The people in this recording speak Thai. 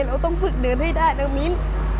เราต้องฝึกเดินให้ได้นะมิ้น